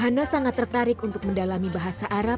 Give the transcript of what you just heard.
hana sangat tertarik untuk mendalami bahasa arab